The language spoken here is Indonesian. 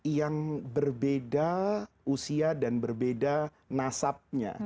yang berbeda usia dan berbeda nasabnya